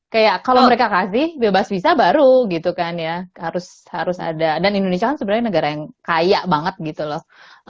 kayak kalau mereka kasih bebas visa baru gitu kan ya harus ada dan indonesia kan sebenarnya negara yang kaya banget gitu loh